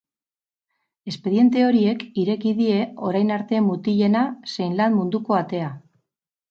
Espediente horiek ireki die orain arte mutilena zen lan munduko atea.